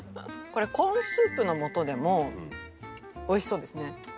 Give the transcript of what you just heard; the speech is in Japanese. これコーンスープの素でもおいしそうですね。